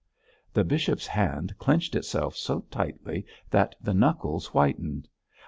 The bishop's hand clenched itself so tightly that the knuckles whitened.